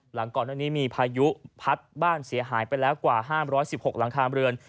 หลังก่อนหน้านี้มีพายุพัดบ้านเสียหายไปแล้วกว่า๕๑๖หลังคาเรือน